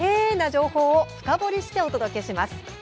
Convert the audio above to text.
情報を深掘りしてお届けします。